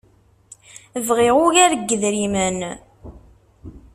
Bɣiɣ ugar n yidrimen.